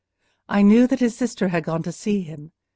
"I knew that his sister had gone to see him.